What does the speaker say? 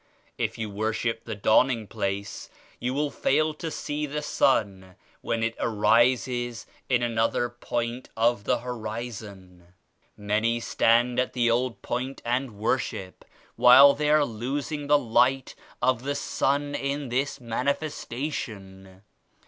If you worship the dawning place you will fail to see the Sun when it arises in another point of the horizon. Many stand at the old point and worship while they are losing the Light of the Sun in this Manifestation.